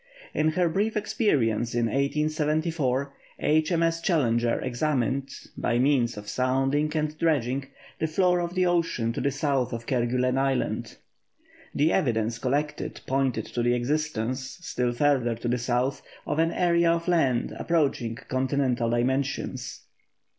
In her brief experience in 1874, H.M.S. Challenger examined, by means of sounding and dredging, the floor of the ocean to the south of Kerguellen Island. The evidence collected pointed to the existence, still further to the south, of an area of land approaching continental dimensions.